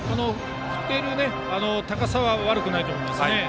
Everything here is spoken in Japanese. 振っている高さは悪くないと思います。